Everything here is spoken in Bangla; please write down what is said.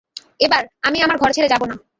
এবার, আমি আমার ঘর ছেড়ে যাবো না।